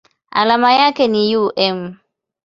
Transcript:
Alama yake ni µm.